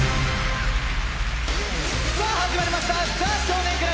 さあ始まりました「ザ少年倶楽部」。